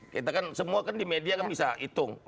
kita kan semua kan di media kan bisa hitung